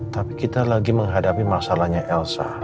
tapi kita lagi menghadapi masalahnya elsa